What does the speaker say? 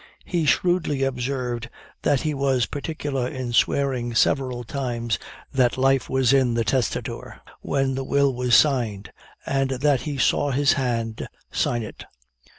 He shrewdly observed that he was particular in swearing several times that "life was in the testator when the will was signed," and that he saw his hand sign it.